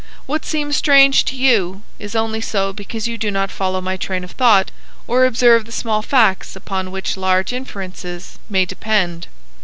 What seems strange to you is only so because you do not follow my train of thought or observe the small facts upon which large inferences may depend.